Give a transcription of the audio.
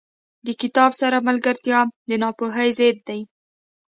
• د کتاب سره ملګرتیا، د ناپوهۍ ضد دی.